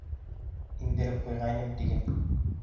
Индереп ҡуйғайным тиген.